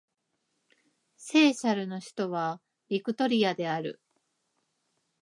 セーシェルの首都はビクトリアである